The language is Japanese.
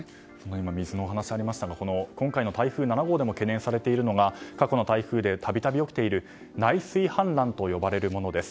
今、水のお話がありましたが今回の台風７号でも懸念されているのが過去の台風でたびたび起きている内水氾濫というものです。